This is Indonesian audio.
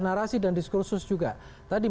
narasi dan diskursus juga tadi